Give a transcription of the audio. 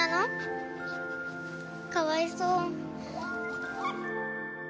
かわいそう。